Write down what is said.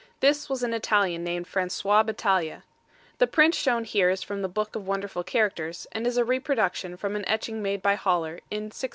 This was an Italian named Francois Battalia. The print shown here is from the Book of Wonderful Characters, and is a reproduction from an etching made by Hollar in 1641.